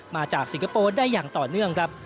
สิงคโปร์ได้อย่างต่อเนื่องครับ